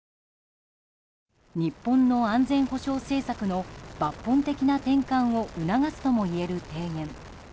日本の安全保障政策の抜本的な転換を促すともいえる提言。